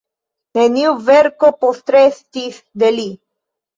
Neniu verko postrestis de li.